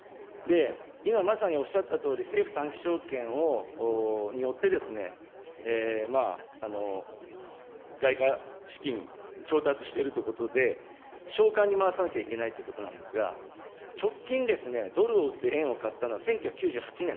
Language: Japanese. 今まさにおっしゃったとおり、政府短期証券を外貨資金、調達しているということで、償還に回さなきゃいけないということですが、直近ですね、ドルを売って円を買ったのはです。